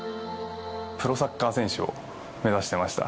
プロサッカー選手を目指してました。